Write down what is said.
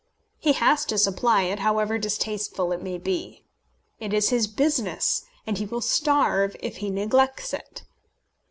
He has to supply it, however distasteful it may be. It is his business, and he will starve if he neglect it.